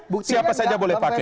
buktinya siapa saja boleh pakai